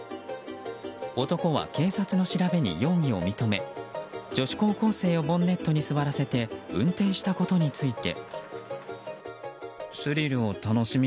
男は警察の調べに容疑を認め女子高校生をボンネットに座らせて運転したことについて。